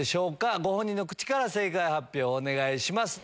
ご本人の口から正解発表お願いします。